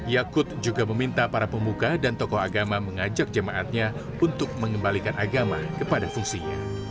yakut juga meminta para pemuka dan tokoh agama mengajak jemaatnya untuk mengembalikan agama kepada fungsinya